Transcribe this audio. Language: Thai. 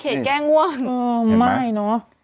เขตแก้ง่วง